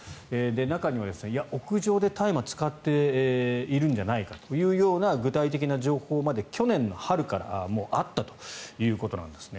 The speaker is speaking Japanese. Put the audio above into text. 中には、いや、屋上で大麻を使っているんじゃないかという具体的な情報まで去年の春からもうあったということなんですね。